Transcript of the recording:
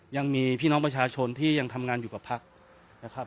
ยังมีพี่น้องประชาชนที่ยังทำงานอยู่กับพักนะครับ